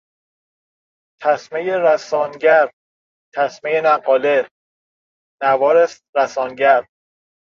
تسمهی رسانگر، تسمه نقاله، نوار رسانگر